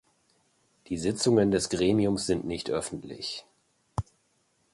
Die Sitzungen des Gremiums sind nicht öffentlich.